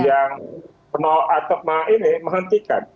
yang atau ini menghentikan